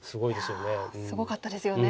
すごかったですよね。